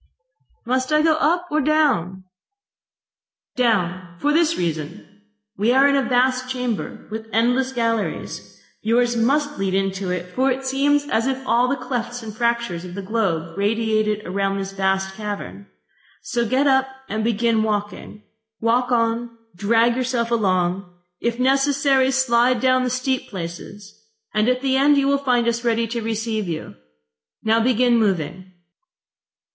.... "Must I go up or down?" .... "Down for this reason: We are in a vast chamber, with endless galleries. Yours must lead into it, for it seems as if all the clefts and fractures of the globe radiated round this vast cavern. So get up, and begin walking. Walk on, drag yourself along, if necessary slide down the steep places, and at the end you will find us ready to receive you. Now begin moving."